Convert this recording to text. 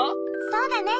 そうだね。